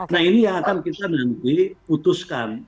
nah ini yang akan kita nanti putuskan